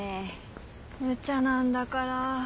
むちゃなんだから。